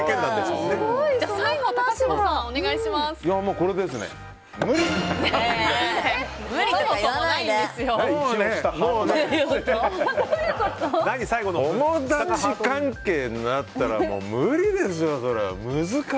もうね、友達関係になったらもう無理ですよ。